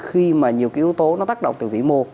khi mà nhiều cái yếu tố nó tác động từ vĩ mô